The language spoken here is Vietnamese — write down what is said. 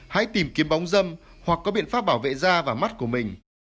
hãy tìm kiếm bóng dâm hoặc có biện pháp bảo vệ da và mắt của mình